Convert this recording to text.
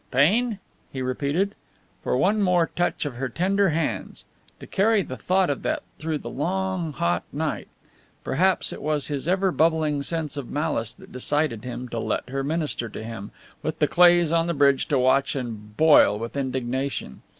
"Pain?" he repeated. For one more touch of her tender hands! To carry the thought of that through the long, hot night! Perhaps it was his ever bubbling sense of malice that decided him to let her minister to him, with the Cleighs on the bridge to watch and boil with indignation.